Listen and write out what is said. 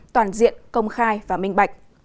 toàn diện công khai và minh bạch